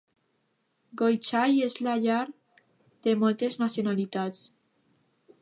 Goychay és la llar de moltes nacionalitats.